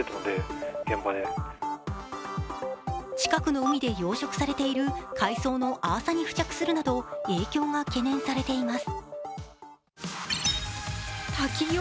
近くの海で養殖されている海藻のアーサに付着するなど影響が懸念されています。